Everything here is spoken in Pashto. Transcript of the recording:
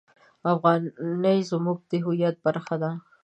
افغانۍ زموږ د هویت برخه ده.